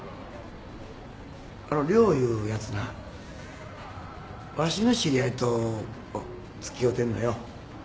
あの涼いうヤツなわしの知り合いとつきおうてんのよ。